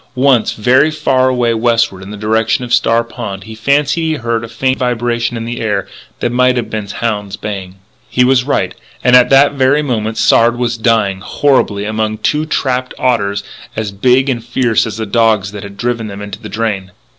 Once, very, very far away westward in the direction of Star Pond he fancied he heard a faint vibration in the air that might have been hounds baying. He was right. And at that very moment Sard was dying, horribly, among two trapped otters as big and fierce as the dogs that had driven them into the drain.